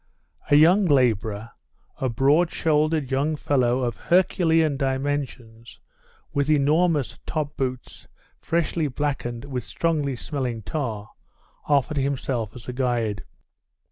A young labourer, a broad shouldered young fellow of herculean dimensions, with enormous top boots freshly blackened with strongly smelling tar, offered himself as a guide.